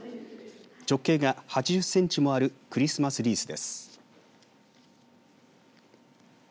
直径が８０センチもあるクリスマスリースです。